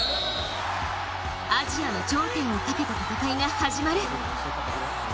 アジアの頂点をかけた戦いが始まる。